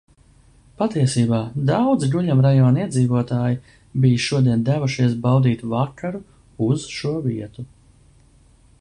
Patiesībā daudzi guļamrajona iedzīvotāji bija šodien devušies baudīt vakaru uz šo vietu.